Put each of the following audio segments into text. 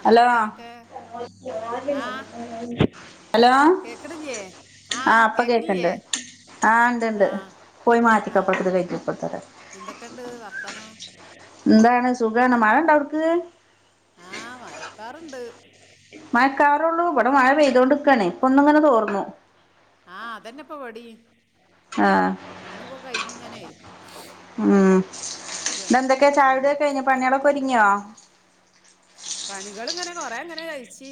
എന്താ ഹലോ വർത്താനൊക്കെ? ആ ഹലോ കേക്കണില്ലേ ആ ഇപ്പ കേക്കണ്ട്. ആ ഉണ്ട്ണ്ട്. ആ പോയി മാറ്റി ആ കപ്പടുട്ടത് കൈത്തിപ്പെടുത്തരാ എന്തൊക്കെണ്ട് വർത്താനം എന്താണ് സുഖാണ് മഴ ഇണ്ട അവടക്ക് ആഹ് മയക്കാറുണ്ട്. മഴക്കാറുള്ളൂ? ഇവിടെ മഴ പെയ്തോണ്ട് ഇക്കാണേ ഇപ്പ ഒന്നങ്ങനെ തോർന്നു. ആ അതന്നെ ഇപ്പൊവിടീം ആ ഒന്നുപ്പൊ കഴിഞ്ഞിങ്ങനെ. ഉം ഇരിക്കാ ഇന്നെന്തൊക്കെയാ ഉം ചായുടിയൊക്കെ കഴിഞ്ഞോ പണികളൊക്കെ ഒതുങ്ങിയോ? പണികൾ ഇങ്ങനെ കൊറെ ഇങ്ങനെ കഴിച്ച്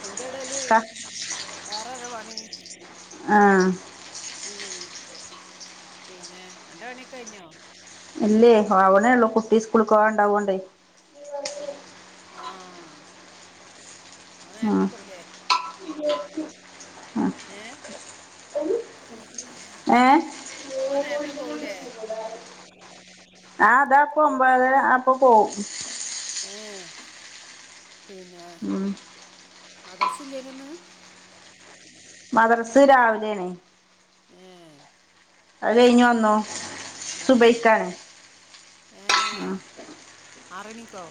അയിന്റെടേല് ക- വേറെ ഒരോപണി ആ മ്മ് പിന്നെ ആന്റെ പണിയൊകഴിഞ്ഞോ ഇല്ലേ ആവ്ണേള്ളൂ കുട്ടി സ്കൂളക്ക് പോവാണ്ടാവോണ്ടേ ആ ഓൻ ഉം. നേര്ത്തെ പോവൂലേ ഏ ഏ ഓൻ നേരത്തെ പോവൂലേ ആ ഇതാപം ഒമ്പതര അപം പോവും ഏ പിന്ന് മ്മ് മദർസില്ലേനിയൊന്ന് മദർസ് രാവിലേണ്‌ ഏ അത് കയ്ഞ്ഞു വന്നു ആ സുബഹിക്കാണ് ഏ ആറണിക്കോ?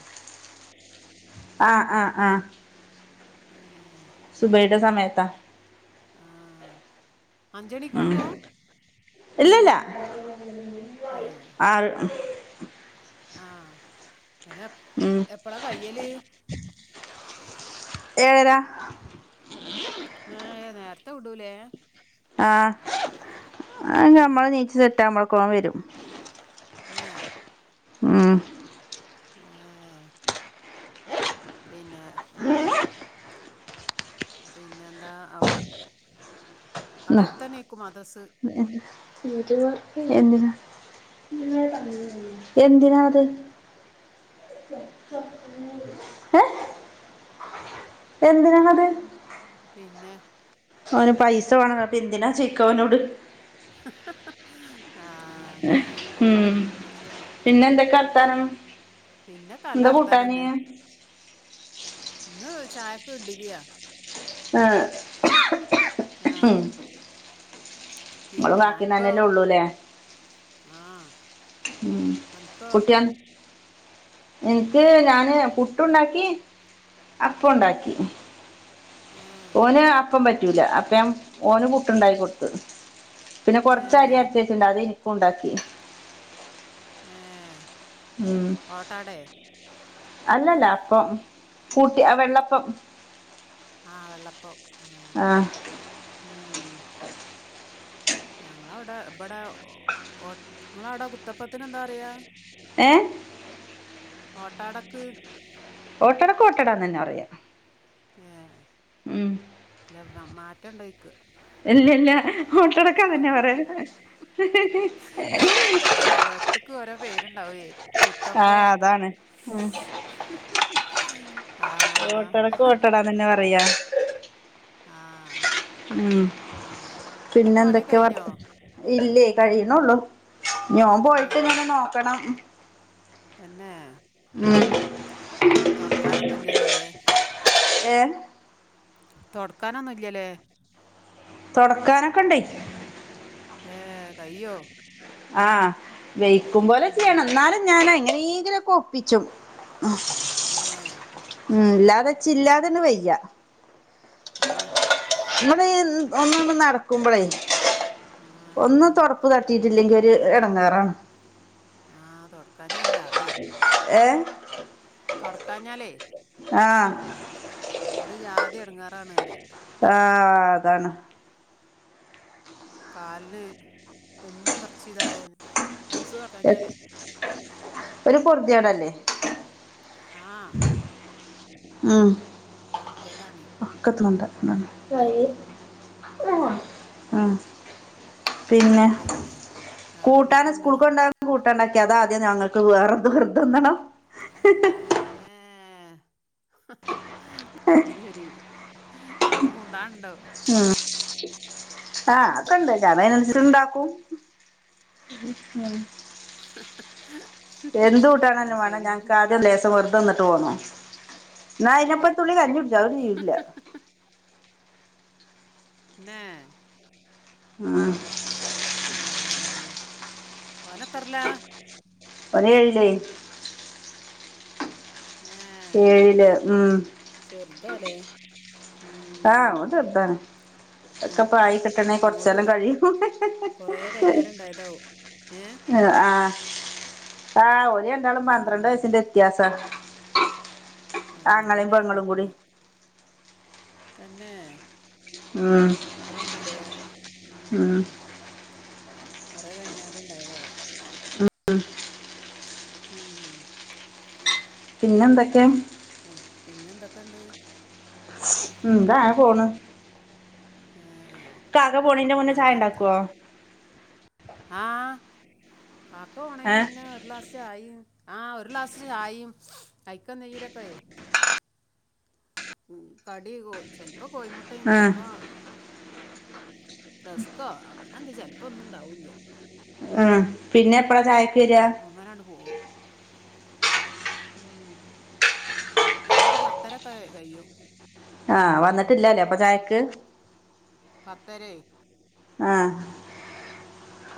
ആ ആ ആ [inaudible] സുബയിടെ സമയത്താ ആ ഉം അഞ്ചണിക്കൊട്ങ്ങൂ ഇല്ലല്ല ആഹ് ആഹ് എപ് ഉം എപ്പളാ കയ്യല്? ഏഴര ഏഹ് ഏഹ് നേര്ത്തെ വിടുലേ ആഹ് അത് ഞമ്മള് നീച്ചി സെറ്റാവുമ്പൾക്കോൻ വെരും. ആഹ് ആഹ് ഉം പിന്നെ പിന്നെന്താ അവട ന്നാ അവടെട്ത്തെന്നേയ്ക്കും മദസ്സ്. എന്തിനാ എന്തിനാത് ഏ എന്തിനാണത് പിന്നെ ഓന് പൈസ വേണംന്ന് അപ്പെന്തിനാ ചോയ്ക്കാ ഓനോട് ആ ഉം അത് ശരി പിന്നെന്തെക്കെ വർത്താനം? പിന്നെ കല എന്താ കൂട്ടാന്? അർത്താനന്നെ ഇന്ന് ചായക്ക് ഇഡ്ഡ്‌ല്യാ ആഹ് ആഹ് ഇങ്ങളും പിന്നെ അൻക്കോ കാക്കിംതന്നെല്ലേ ഒള്ളൂല്ലേ. ആഹ് ഉം അൻക്കോ കുട്ട്യാൻ ഇൻക്ക് ഞാന് പുട്ടുണ്ടാക്കി. അപ്പൊണ്ടാക്കി. ഏഹ് ഓന് അപ്പം പറ്റൂല. അപ്പ ഞാൻ ഓന് പുട്ട്ണ്ടാകി കൊട്ത്ത്. പിന്നെ ഏഹ് കൊർച്ചരിയര്ചെച്ണ്ടായതിൻക്കുണ്ടാക്കി. ഓട്ടടെ അല്ലല്ല അപ്പൊം കൂട്ടി അഹ് വെള്ളപ്പം. ആഹ് വെള്ളപ്പം ആഹ് ആ ഉം ഞങ്ങളവ്ടെ ബെടെ ഓ നങ്ങളവിടെ കുത്തപ്പത്തിന് എന്താ പറയാ? ഏഹ് ഓട്ടടക്ക്. ഓട്ടടക്ക് ഓട്ടടാന്ന്ന്നെ പറയാ. ഏഹ് ഉം ഇല്ല വ മാറ്റണ്ടോയ്ക്ക. ഇല്ലല്ല ഓട്ടടക്ക് അതന്നെ പറയാ. ചെലോട്ത്ക്ക് ഓരോ പേരുണ്ടാവേ ആ കുത്തപ്പം. അതാണ് ഉം ആഹ് ഓട്ടടക്ക് ഓട്ടടാന്ന്ന്നെ പറയാ. ആഹ് ഉം പിന്നെ പിന്നെ അന്റെ പണിയൊക്കെ എന്തൊക്കെ വർ കഴിഞ്ഞോ ഇല്ലേ കഴിയ്ണെള്ളൂ. ഇഞ്ഞോൻ പോയ്ട്ട് ഇങ്ങനെ ന്നോക്കണം. തന്നേ ഉം. തൊടക്കാനൊന്നും ഇല്ലല്ലോല്ലേ. എൻ. തൊടക്കാനൊന്നും ഇല്ലല്ലേ. തൊടക്കാനൊക്കെ ഇണ്ടെയ് ഏ കയ്യോ. ആ വെയ്ക്കും പോലെ ഉം. ചെയ്യണം. എന്നാലും ഞാന് എങ്ങനേങ്കിലൊക്കെ ഒപ്പിച്ചും ഏ. എല്ലാതെ ച്ചില്ലാതനെ വയ്യ അത് നമ്മളി ന്ന് ഒന്ന്ണ്ട് നടക്കുമ്പളേ ആ ഒന്ന് അതന്നെ തൊടപ്പ് കാട്ടീട്ടില്ലങ്കെ ര് എടങ്ങേറാണ്. ആ തൊടക്കാ ഞാ ഒരു ജാതിയ. ഏ തൊടക്കാഞ്ഞാലേ. ആ ഒരു ജാതി എടങ്ങാറാണ്റിയ. ആ അതാണ്. കാലിന് എന്നും നിറച്ച് ഇതായ രിസ്സ്‌ കാട്ടാഞ്ഞാലേ ഒര് പൊർത്യേടല്ലേ ആ ഉം വെറുതേടാണ് ഒക്ക തിന്നണ്ട ഇങ്ങട് പി- കൊണ്ട ഉം പിന്നെ കൂട്ടാന് വേറെന്തൊക്കെയുണ്ട് സ്കൂൾക്ക് കൊണ്ടാവാൻ കൂട്ടണ്ടാക്കി. അതാ ആദ്യം ഞങ്ങൾക്ക് വേറെന്ത് വിർത് ന്നണം. ഏ അത് സരി ഇപ്പഞ്ഞി കൂണ്ടാണ് ണ്ടോ? ഉം ആ അക്കൊണ്ട് ഞാൻ അയ്നനുസരിച്ച് ഏ ഇണ്ടാക്കും. എന്ത് അത് കൂട്ടാണെന്നും വേണം ശരി ഞങ്ങക്ക് ആദ്യം ലേസം വെറുത തിന്നിട്ട് പോണോ. ന്ന അയ്നൊപ്പരുതുള്ളി കഞ്ഞി കുടിച്ച അതൊന്നും ചെയ്യൂല. എനേ ആ ഓൻ എത്തർലാ. ഓൻ ഏഴില്. ഏ ഏഴില് ഉം. ചെറുതാലേ ആ ഉം, ഓൻ ചെർതാണ്. മോ ഒക്കെപ്പായി കിട്ടണെ മോള് കൊറച്ചാലം കഴിയും കൊറേ കഴിഞ്ഞാലുണ്ടായതാവും ഏ ആ ആ ആ ഓര് രണ്ടാളും പന്ത്രണ്ട് ഉം, വയസ്സിന്റെ വ്യത്യാസാ ആ ആങ്ങളേം അതന്നെ ഞാൻ പെങ്ങളും കൂടി നോക്കണത് തന്നെ ഉം അത്രണ്ട്ലേ ഉം കൊറേ കഴിഞ്ഞാണ്ട് ഇണ്ടായതാവും ഉം ഉം ഉംം പിന്നെ എന്തൊക്കെ പിൻ പിന്നെന്തൊക്ക്ണ്ട്? ഉം ന്താ പോണ് ഏ കാക്ക പോണെയ്ന്റെ മുന്നേ നല്ല വർത്ത ചായണ്ടാക്കോ? ആ കാക്ക പോണേൻ്റെ ഏഹ് മുന്നേ ഒരു ഗ്ലാസ് ചായേം ആ ഒരു ഗ്ലാസ് ചായയും കയ്ക്കാൻ നീരൊക്കെ [unintelligible] ഉം കടി കോ ചെലപ്പോ കോയിമുട്ടേം ആഹ് ചെലപ്പോ റസ്കോ അങ്ങനെ എന്ത് ചെലപ്പോ ഒന്നും ഉണ്ടാവൂല ആ പിന്നെ എപ്പഴാ ചായ അങ്ങനങ്ങട് പോവും ഉം പിന്നൊരു പത്തരൊക്കെ കയും ആ വന്നിട്ടിലാല്ലേ അപ്പൊ ചായക്ക് പത്തരേ ആ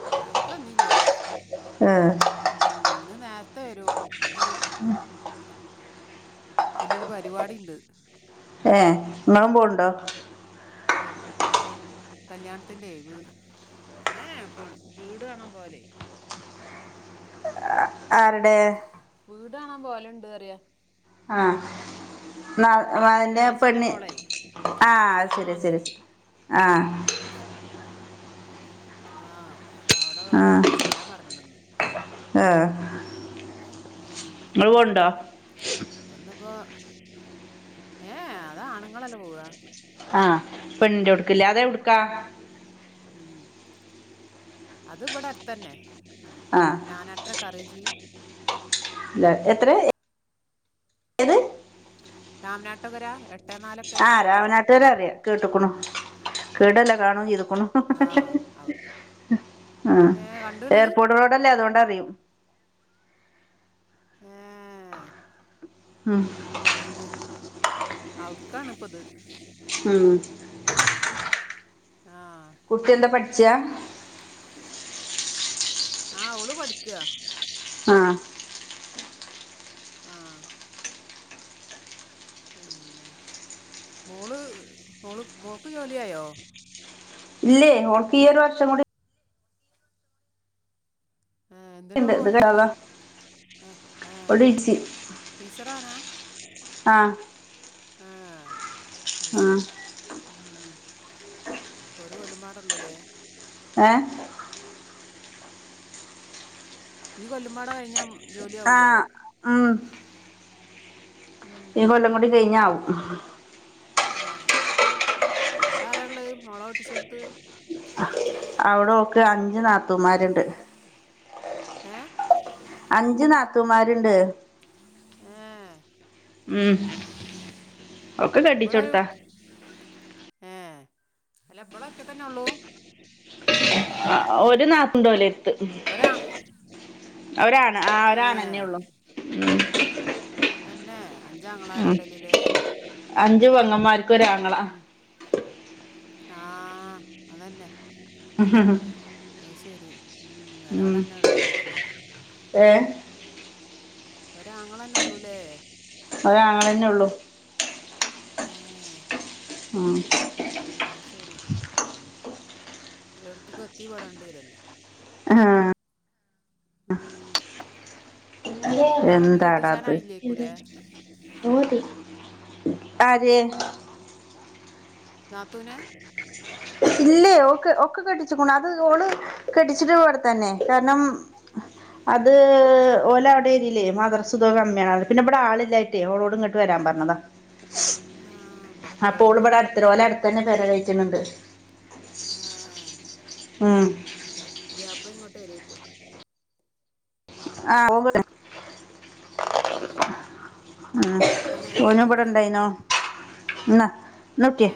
ചായക്കൊന്നില്ല ഏഹ് ഉം ഇന്ന് നേരത്തെ വരും ഇന്ന് അയ്നൊരു പരിപാടീണ്ട് ഏ നിങ്ങളും പോണ്ടോ? പെൺ കല്യാണത്തിന്റെ വീട് ഏ പോണ് വീട് കാണാൻ പോവല് ആരടെ? പോവല്ണ്ട് പറയാ ആ [unintelligible] അതിന്റെ എളച്ചന്റെ പെണ്ണ് മോളെ ആ കാണാൻ ശര്യാ വന്നിനി ശര്യാ ആ ആ അപ്പൊ അവിടെ ചെല്ലാൻ പറഞ്ഞേക്കണിന്ന് ആ ഉം ഇങ്ങള് പോണ്ടോ? അപ്പൊ ഇന്നിപ്പോ ഏ അതാണുങ്ങളല്ലേ പോവാ ആ പെണ്ണിന്റോടക്കല്ലേ അതെവിടക്കാ? ഉം അത് ഇവിടെ അടുത്തന്നെ ആഹ് നാനാട്ടര കറജി എത്ര ഏത് രാമനാട്ടുകര എട്ട് ആ രാമനാട്ടുക്കര അറിയാം കേട്ട്ക്കുണു കേടല്ല കാണുംചെയ്തു ക്കുണു ആ അവിടെ ആ ഏ കണ്ടണ് എയർപോർട്ട് റോഡല്ലേ അതോണ്ട് അറിയും ഏ ഉം അതന്നെ അവിടുക്കാണ് ഇപ്പൊ ഇത് ഉം ആ കുട്ടി എന്താ പഠിച്യാ ആ അവള് പഠിക്കാ ആ ആഹ് പിന്നെ മോള് മോള് മോൾക്ക് ജോലിയായോ ഇല്ലേ ഓൾക്ക് ഈ ഒരു വർഷം കൂടി ആ എന്തിനാ ഉണ്ട് അവള് ഇത് പഠിക്ക്ണെ കേട്ടാ ഏ ഏ ഒടിച്ചി ടീച്ചറാവാനാ ആഹ് ആഹ് അത് ശരി ആ ഉം ഇപ്പൊ ഒരു കൊല്ലുംപാടുള്ളൂല്ലേ ഏ ഈ കൊല്ലമ്പാടെ കഴിഞ്ഞ ആഹ് ഉം ഈ ഉം. കൊല്ലംകുടി കഴിഞ്ഞാവും ഏ അവിടെ ആരാള്ളെ മോളെ കെട്ടിച്ചോടുത്ത് അവിടെ ഒക്കെ അഞ്ചു നാത്തൂമാരുണ്ട് ഏ അഞ്ചു നാത്തുമാരുണ്ട് ഏ ഉം ഒക്കെ കെട്ടി ഇവിടെ ഒരു ച്ചൊട്ത്താ ഏ അല്ല ബള് ഒറ്റക്കന്നെ ഉള്ളൂ ആ ഒരു നാത്തൂനോലെര് ഒരാ ഒരാണ് ആ ഏ ഒരാണെന്നെ ഉള്ളൂ എന്നെ അഞ്ചാങ്ങളാരെ ഇടലിലേ അഞ്ചു പെങ്ങന്മാർക്ക് ഒരാങ്ങളാ ആഹ് അതെന്നെ അത് ശരി ഉം ഉം. ഒരാളന്നെ ഉള്ളു പോന് ഏ ഒരാങ്ങളെന്നെ ള്ളൂലേ ഒരാങ്ങളെന്നെ ഉള്ളു ആഹ് ഉം. ഉം അത് ശരി എല്ലോട്ത്ത്ക്കും എത്തി പെടേണ്ടി വരല്ലോ ആഹ് ഉം ഒരാളെ ഇനി എന്താട കെട്ടിച്ചാനായില്ലേക്കൂലേ അത് ആര് നാത്തുനെ ഇല്ലേ ഒക്കെ ഒക്കെ കെട്ടിച്ച്ക്ണു അത് ഓള് കെട്ടിച്ചിട്ട് ഇവിടെ തന്നെ കാരണം അത് ഓല അവിടെ എരിയേല് മദർസുംതൊക്കെ കമ്മിയാണ് പിന്നെ ഇവിടെ ആളില്ലായിട്ടെ ഓളോട്ങ്ങോട്ട് വരാ പറഞ്ഞതാ ആ അപോൾ ഇവിടെക്കാവൂലേ ഇവിടെ അടുത്ത ഓലെ അടുത്ത് തന്നെ പെര കേറ്റുന്നുണ്ട് ഉം ആഹ് പുതിയാപ്പളം ഇങ്ങോട്ട് വരേക്കും ആഹ് ഉം ഉം തോന്നെ ഇവിടെ ഇണ്ടായിന്നോ ഏ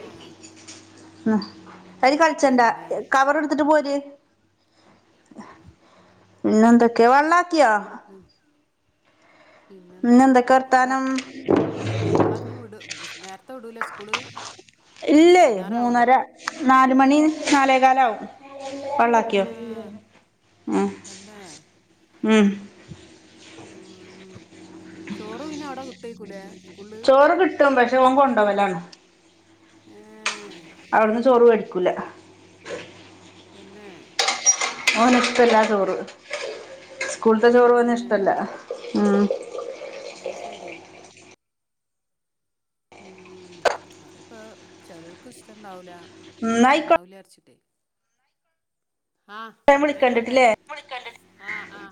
അയ്ല് കളിച്ചണ്ടാ പിന്നെ കവർ എടുത്തിട്ട് പോര് ഇന്നെന്തൊക്കെ വള്ളാക്കിയോ പിന്നെന്താ ആടെ വർത്താനം എപ്പളാഞ്ഞ് വിട് സ് നേ ത്തെ വിടൂലെ സ്കൂള് ഇല്ലോ വൈകുന്നേരം ആവൂലേ മൂന്നരാ നാല് മണി നാലേ കാലാവും പള്ളാ ഏ തന്നെ ഉം ചോറ് പിന്നെ അവടെ കിട്ടേക്കൂല്ലോ ചോറ് കിട്ടും പക്ഷെ ഓൻ കൊണ്ടോവലാണ് ആാ ക്കുല്ലാ തന്നെ ഓന് ഇഷ്ടല്ലാ ചോറ് സ്കൂള്ത്തേ ഏ ചോറ് ഓന് ഇഷ്ടാല്ല ആാ അത് ശെരി ഉം അതിപ്പോ ചെലർക്ക് ഇഷ്ടോണ്ടാവുല്ലാ ന്നാ ആയിക്കോട്ടെ നന്നാവുല്ലാ വിരച്ചിട്ടേ ആാ ഞാൻ ന്നാ കൊട്ടെ വിളിക്കണ്ടിട്ടില്ലേ [unintelligible] ആാ ആാ